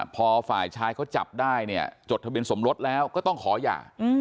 พอฝ่ายชายเขาจับได้เนี่ยจดทะเบียนสมรสแล้วก็ต้องขอหย่า